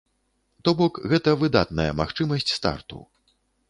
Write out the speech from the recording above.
То бок гэта выдатная магчымасць старту.